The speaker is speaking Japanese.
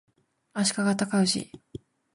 足利尊氏